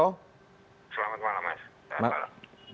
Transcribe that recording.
selamat malam mas selamat malam